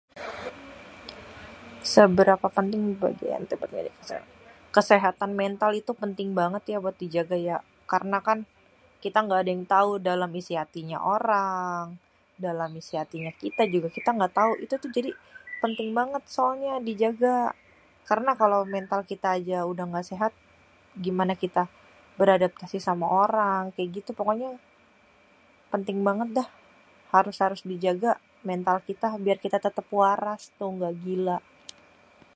Seberapa penting bagi èntè kesehatan mental? kesehatan mental itu perlu dijaga ya karena kan kita gak ada yang tau dalam isinya hatinya orang..dalam isi hatinya kita juga kita gak tau...itu tuh jadi penting banget soalnya dijaga karena kalau mental kita aja udah gak sehat gimana kita beradaptasi sama orang kaya gitu pokoknya penting banget dah.. harus harus dijaga mental kita biar kita tètèp waras ga gila.